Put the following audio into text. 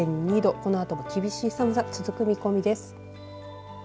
このあとも厳しい寒さ続く見込みです。